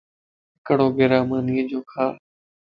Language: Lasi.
ھڪڙو گراته مانيَ جو کا